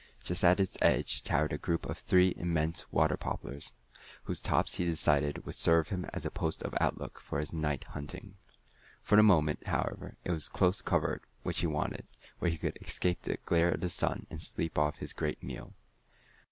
Just at its edge towered a group of three immense water poplars, whose tops he decided would serve him as a post of outlook for his night hunting. For the moment, however, it was close covert which he wanted, where he could escape the glare of the sun and sleep off his great meal.